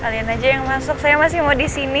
kalian aja yang masuk saya masih mau di sini